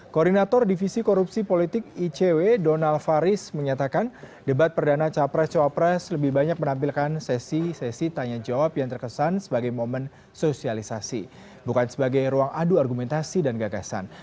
koordinator divisi korupsi politik icw donald faris menyatakan debat perdana capres copres lebih banyak menampilkan sesi sesi tanya jawab yang terkesan sebagai momen sosialisasi bukan sebagai ruang adu argumentasi dan gagasan